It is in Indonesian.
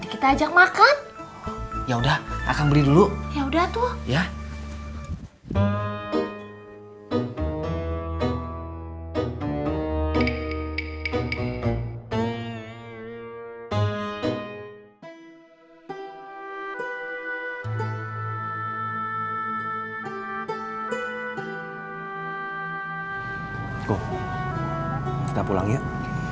kita main sambung kata lagi yuk